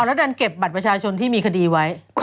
แล้วดันเก็บบัตรประชาชนที่มีคดีไว้